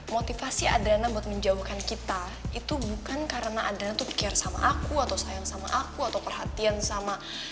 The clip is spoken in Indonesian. motivasi adrana buat menjauhkan kita itu bukan karena adrana tuh pikir sama aku atau sayang sama aku atau perhatian sama